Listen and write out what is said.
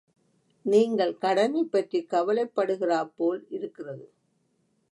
நீங்கள் கடனைப் பற்றிக் கவலைப்படுகிறாப் போலிருக்கிறது.